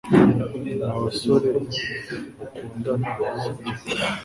mwa basore mukundana, sibyo